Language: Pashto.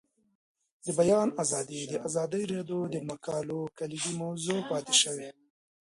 د بیان آزادي د ازادي راډیو د مقالو کلیدي موضوع پاتې شوی.